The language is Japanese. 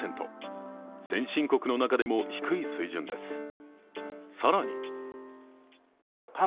先進国の中でも低い水準です。